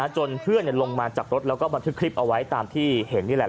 จนเพื่อนลงมาจากรถแล้วก็บันทึกคลิปเอาไว้ตามที่เห็นนี่แหละ